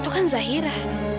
itu kan zahira